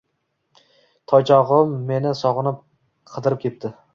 Toychog‘im meni sog‘inib qidirib kepti